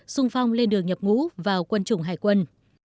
sung phong lên đường nhập ngũ vào quân chủng hải quân